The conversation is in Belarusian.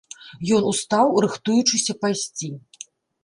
Ён устаў, рыхтуючыся пайсці.